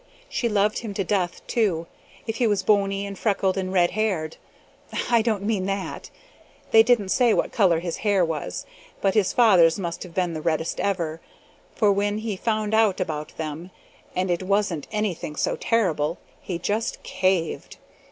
She loved him to death, too, if he was bony and freckled and red haired I don't mean that! They didn't say what color his hair was, but his father's must have been the reddest ever, for when he found out about them, and it wasn't anything so terrible, HE JUST CAVED!